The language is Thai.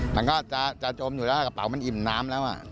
มันก็จะจมอยู่แล้วกระเป๋ามันอิ่มน้ำแล้ว